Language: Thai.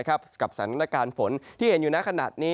กับสถานการณ์ฝนที่เห็นอยู่ในขณะนี้